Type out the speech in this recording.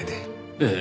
ええ。